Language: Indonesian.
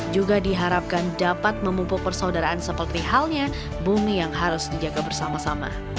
juga diharapkan dapat memumpuk persaudaraan seperti halnya bumi yang harus dijaga bersama sama